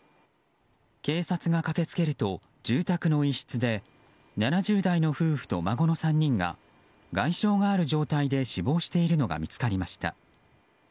警察が駆けつけると住宅の一室で７０代の夫婦と孫の３人が外傷がある状態で死亡しているのが見つかりました。